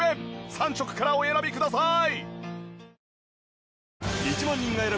３色からお選びください。